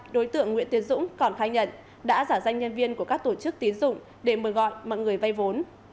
đối tượng nguyễn tiến dũng còn khai nhận đã giả danh nhân viên của các tổ chức tiến dụng để mời gọi mọi người vay vốn